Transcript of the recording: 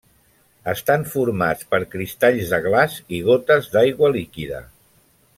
Estan formats per cristalls de glaç i gotes d’aigua líquida.